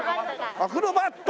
アクロバット！